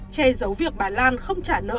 che giấu việc bà lan không trả nợ